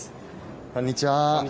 こんにちは。